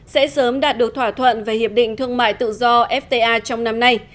sẽ sớm đạt được thỏa thuận về hiệp định thương mại tự do fta trong năm nay